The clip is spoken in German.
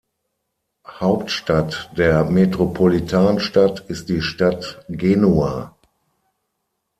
Hauptstadt der Metropolitanstadt ist die Stadt Genua.